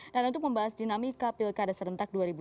untuk membahas dinamika pilkada serentak dua ribu dua puluh